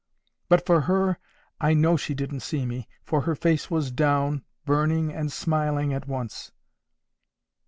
But for her, I know she didn't see me, for her face was down, burning and smiling at once.